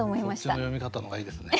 そっちの読み方のほうがいいですね。